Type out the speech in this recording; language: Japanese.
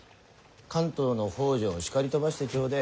関東の北条を叱り飛ばしてちょでえ。